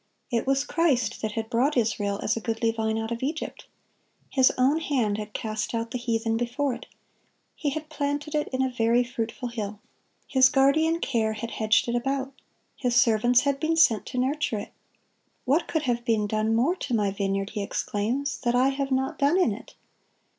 It was Christ that had brought Israel as a goodly vine out of Egypt.(13) His own hand had cast out the heathen before it. He had planted it "in a very fruitful hill."(14) His guardian care had hedged it about. His servants had been sent to nurture it. "What could have been done more to My vineyard," He exclaims, "that I have not done in it?"